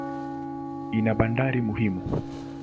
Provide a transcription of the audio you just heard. Ina bandari muhimu.